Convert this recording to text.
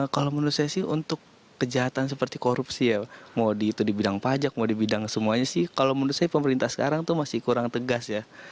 kalau menurut saya sih untuk kejahatan seperti korupsi ya mau di itu di bidang pajak mau di bidang semuanya sih kalau menurut saya pemerintah sekarang itu masih kurang tegas ya